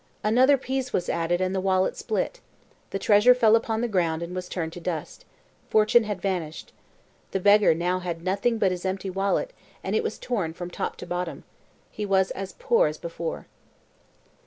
Another piece was added, and the wallet split. The treasure fell upon the ground and was turned to dust. Fortune had vanished. The beggar had now nothing but his empty wallet, and it was torn from top to bottom. He was as poor as before.